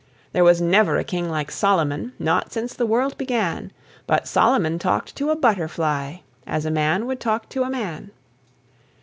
There was never a King like Solomon, Not since the world began; But Solomon talked to a butterfly As a man would talk to a man.